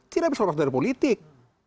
tidak bisa lolos dari politik